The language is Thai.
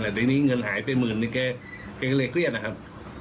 แต่ทีนี้เงินหายไปหมื่นนึงแกก็เลยเครียดนะครับ